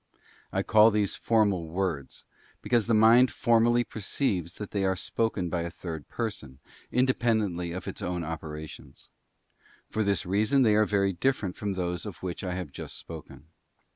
I call these Formal Words, because the mind formally perceives they are spoken by a third person, independently of its own operations. or this reason they are very different from those of which I have just spoken.